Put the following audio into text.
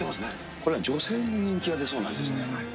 これは女性に人気が出そうな味ですね。